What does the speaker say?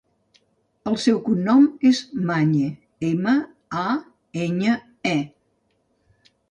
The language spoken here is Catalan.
El seu cognom és Mañe: ema, a, enya, e.